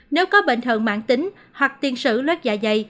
nếu có bệnh thần mạng tính hoặc tiên sử lết dạ dày